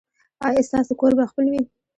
ایا ستاسو کور به خپل وي؟